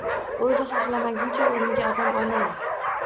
O`zi xohlamaguncha o`rniga odam olmaymiz